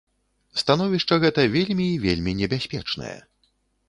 Становішча гэта вельмі і вельмі небяспечнае.